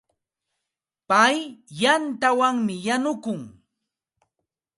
Pay yantawanmi yanukun.